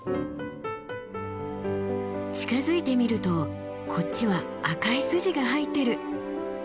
近づいてみるとこっちは赤い筋が入ってる。